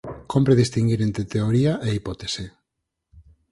Cómpre distinguir entre teoría e hipótese.